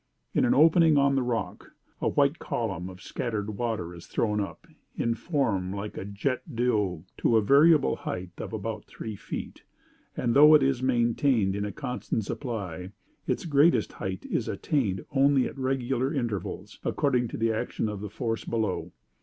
In an opening on the rock, a white column of scattered water is thrown up, in form like a jet d'eau, to a variable height of about three feet, and, though it is maintained in a constant supply, its greatest height is attained only at regular intervals, according to the action of the force below.